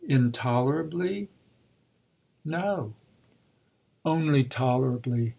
"Intolerably no." "Only tolerably!